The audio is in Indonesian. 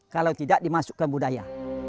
kalau tidak dimasukkan budaya